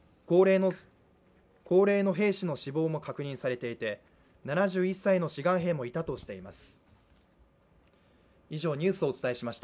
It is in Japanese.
高齢の兵士の死亡も確認されていて、７１歳の志願兵もいたとしています。